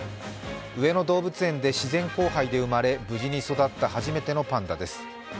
上野動物園で自然交配で生まれ、無事に育った初めてのパンダです。